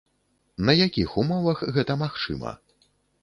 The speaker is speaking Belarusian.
На якіх умовах гэта магчыма?